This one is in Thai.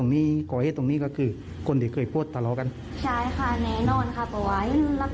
แต่พอมีใครบอกให้มาจ๊อบเลยโทษเลยจ๊อบเลยแต่พอมาล่างมันอยากโทษอีก